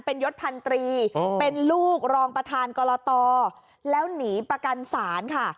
เป็นยศพันตรีเป็นลูกรองประธานกรตแล้วหนีประกันศาลค่ะ